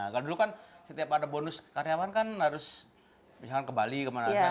kalau dulu kan setiap ada bonus karyawan kan harus misalkan ke bali kemana kan